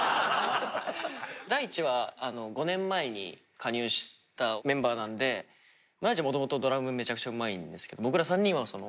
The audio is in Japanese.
大智は５年前に加入したメンバーなんで大智はもともとドラムめちゃくちゃうまいんですけど僕ら３人はその。